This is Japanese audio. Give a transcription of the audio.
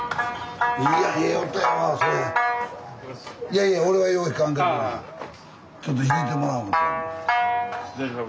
いやいや俺はよう弾かんけどなちょっと弾いてもらおう思ったの。